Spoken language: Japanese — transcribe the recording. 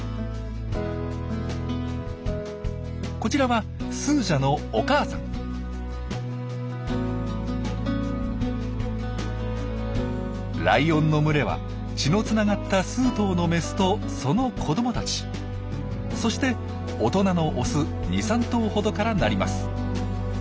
こちらはスージャのライオンの群れは血のつながった数頭のメスとその子どもたちそして大人のオス２３頭ほどからなります。